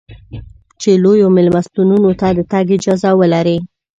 چې لویو مېلمستونو ته د تګ اجازه ولرې.